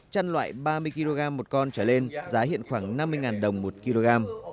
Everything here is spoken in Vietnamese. chăn loại ba mươi kg một con trở lên giá hiện khoảng năm mươi đồng một kg